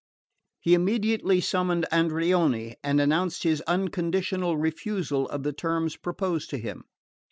He immediately summoned Andreoni and announced his unconditional refusal of the terms proposed to him.